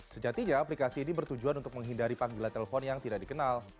sejatinya aplikasi ini bertujuan untuk menghindari panggilan telepon yang tidak dikenal